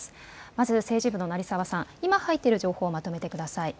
まず政治部の成澤さん、今入っている情報をまとめてください。